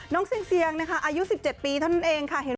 น้องเซียงอายุ๑๗ปีท่านนั้นเอง